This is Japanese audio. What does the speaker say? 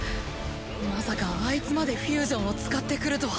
まさかあいつまでフュージョンを使ってくるとは。